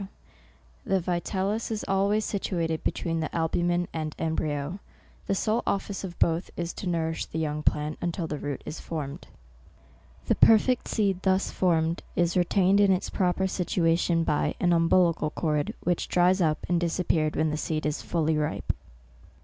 The vi tellus is always situated between the albumen and embryo. The sole office of both is to nourish the young plant, until the root is formed." The perfect seed thus formed, is retained in its proper situation by an umbilical cord, which dries up and disappears when the seed is fully ripe.